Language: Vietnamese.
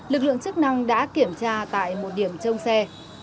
lực lượng chức năng đã kiểm tra tại một điểm trông xe